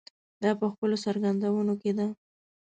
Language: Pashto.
دا په خپلو څرګندونو کې ده.